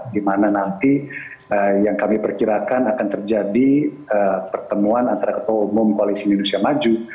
di mana nanti yang kami perkirakan akan terjadi pertemuan antara ketua umum koalisi indonesia maju